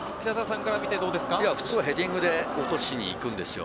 普通はヘディングで落としに行くんですよ。